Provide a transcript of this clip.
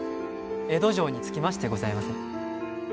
江戸城に着きましてございます。